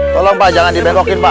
tolong pak jangan dibengkokin pak